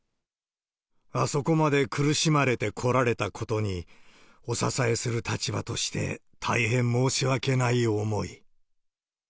あそこまで苦しまれてこられたことに、お支えする立場として大変申し訳ない思い。